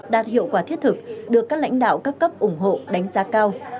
đạt hiệu quả thiết thực được các lãnh đạo các cấp ủng hộ đánh giá cao